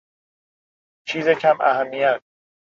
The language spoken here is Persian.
چیز کم اهمیت